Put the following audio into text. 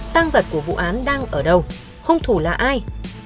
tăng vật của vụ án đang ở đâu hùng thủ là ai